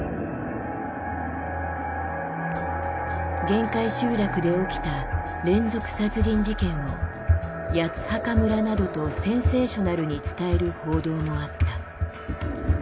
限界集落で起きた連続殺人事件を「八つ墓村」などとセンセーショナルに伝える報道もあった。